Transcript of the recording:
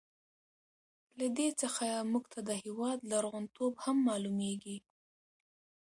له دې څخه موږ ته د هېواد لرغون توب هم معلوميږي.